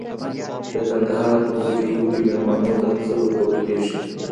د کندهار په حجرو کي مېلمنو ته څه ورکول کيږي؟